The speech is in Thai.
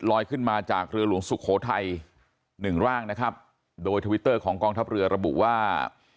ขึ้นมาจากเรือหลวงสุโขทัยหนึ่งร่างนะครับโดยทวิตเตอร์ของกองทัพเรือระบุว่า